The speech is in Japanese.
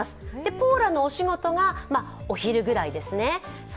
ポーラのお仕事がお昼ぐらいですね。